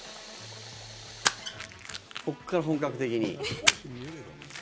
ここから本格的に。